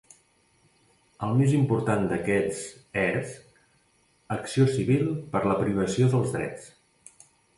El més important d'aquests és: "Acció civil per la privació dels drets".